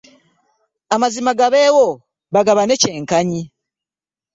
Amazima gabeewo bagabane kyenkanyi.